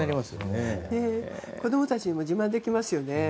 子供たちにも自慢できますね。